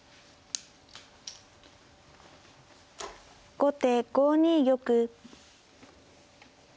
後手５二玉。